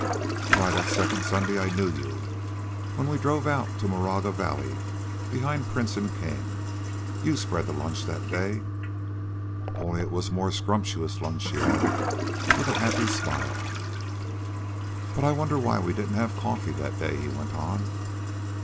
"Why, the second Sunday I knew you, when we drove out to Moraga Valley behind Prince and King. You spread the lunch that day." "Only it was a more scrumptious lunch," she added, with a happy smile. "But I wonder why we didn't have coffee that day," he went on.